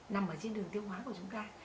nằm trên đường tiêu hóa của chúng ta